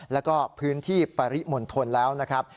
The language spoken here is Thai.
แล้วก็พื้นที่ปริมณฑลแล้วนะครับ